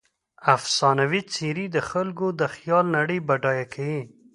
افسانوي څیرې د خلکو د خیال نړۍ بډایه کوي.